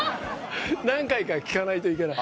何回か聴かないといけない。